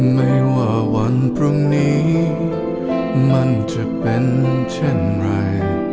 ไม่ว่าวันพรุ่งนี้มันจะเป็นเช่นไร